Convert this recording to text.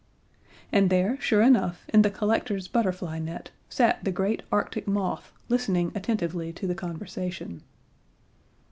And there, sure enough, in the collector's butterfly net sat the great Arctic moth, listening attentively to the conversation.